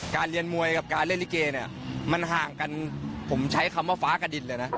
เรียนมวยกับการเล่นลิเกเนี่ยมันห่างกันผมใช้คำว่าฟ้ากระดินเลยนะ